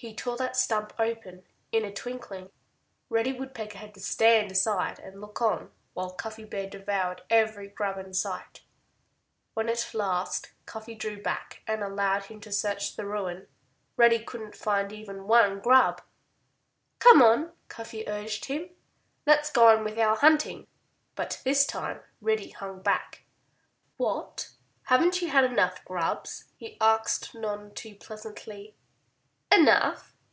He tore that stump open in a twinkling. Reddy Woodpecker had to stand aside and look on while Cuffy Bear devoured every grub in sight. When at last Cuffy drew back and allowed him to search the ruin Reddy couldn't find even one grub. "Come on!" Cuffy urged him. "Let's get on with our hunting!" But this time Reddy hung back. "What! Haven't you had enough grubs?" he asked none too pleasantly. "Enough!"